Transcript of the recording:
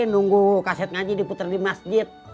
nunggu kaset ngaji diputar di masjid